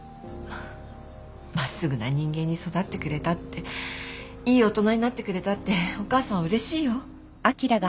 真っすぐな人間に育ってくれたっていい大人になってくれたってお母さんはうれしいよ。